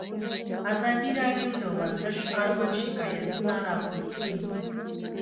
ازادي راډیو د ورزش اړوند شکایتونه راپور کړي.